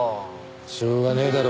しょうがねえだろ。